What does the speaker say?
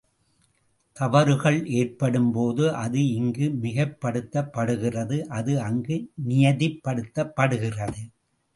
தவறுகள் ஏற்படும்போது அது இங்கு மிகைப்படுத்தப்படுகிறது அது அங்கு நியதிப்படுத்தப்படுகிறது.